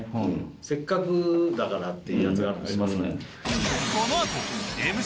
せっかくだからっていうやつがあるんですよ。